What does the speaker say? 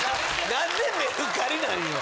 なんでメルカリなんよ